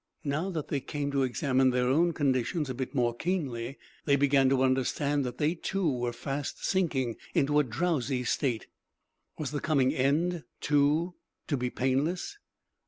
Now, that they came to examine their own conditions a bit more keenly, they began to understand that they, too, were fast sinking into a drowsy state. Was the coming end, too, to be painless?